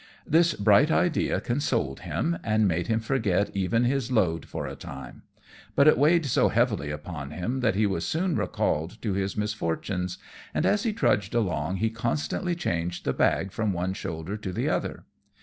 This bright idea consoled him and made him forget even his load for a time, but it weighed so heavily upon him that he was soon recalled to his misfortunes, and as he trudged along he constantly changed the bag from one shoulder to the other.